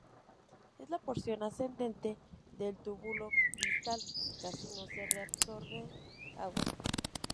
En la porción ascendente del túbulo distal casi no se reabsorbe agua.